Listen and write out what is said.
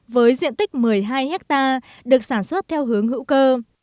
với diện tích một mươi hai hectare được sản xuất theo hướng hữu cơ